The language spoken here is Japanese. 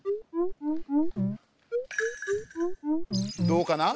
どうかな？